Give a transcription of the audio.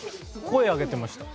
声上げてました。